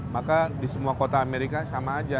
maka di semua kota amerika sama aja